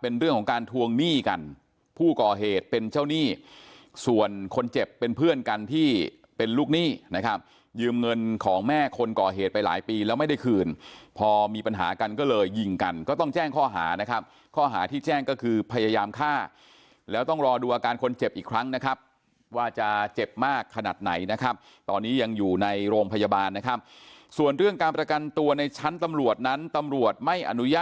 เป็นลูกหนี้นะครับยืมเงินของแม่คนก่อเหตุไปหลายปีแล้วไม่ได้คืนพอมีปัญหากันก็เลยยิงกันก็ต้องแจ้งข้อหานะครับข้อหาที่แจ้งก็คือพยายามฆ่าแล้วต้องรอดูอาการคนเจ็บอีกครั้งนะครับว่าจะเจ็บมากขนาดไหนนะครับตอนนี้ยังอยู่ในโรงพยาบาลนะครับส่วนเรื่องการประกันตัวในชั้นตำรวจนั้นตำรวจไม่อนุญ